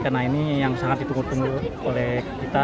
karena ini yang sangat ditunggu tunggu oleh kita